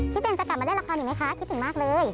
พี่เจนจะกลับมาเล่นละครรึงไหมคะคิดถึงมาก